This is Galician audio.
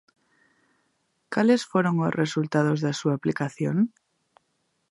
Cales foron os resultados da súa aplicación?